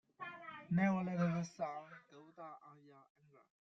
Never let the sun go down on your anger.